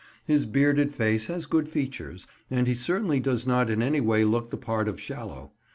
His bearded face has good features, and he certainly does not in any way look the part of Shallow.